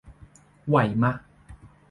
ไหวมะ